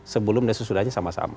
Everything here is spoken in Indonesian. sebelum dan sesudahnya sama sama